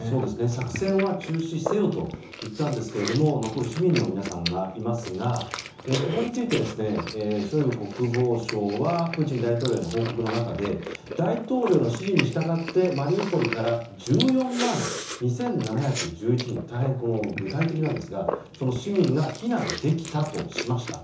作戦は中止せよと言ったんですが残る市民の皆さんがいますがここについて、ショイグ国防相はプーチン大統領への報告の中で大統領の指示に従ってマリウポリから１４万２７１１人大変、具体的なんですがそれだけの市民が避難できたとしました。